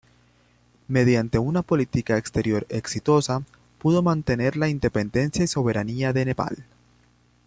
Mediante una política exterior exitosa pudo mantener la independencia y soberanía de Nepal.